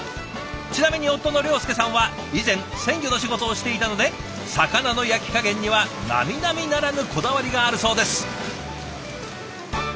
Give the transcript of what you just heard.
ちなみに夫の良助さんは以前鮮魚の仕事をしていたので魚の焼き加減にはなみなみならぬこだわりがあるそうです。